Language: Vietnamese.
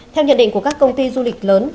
theo nhận định của các công ty du lịch lớn